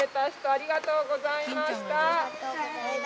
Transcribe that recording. ありがとうございます。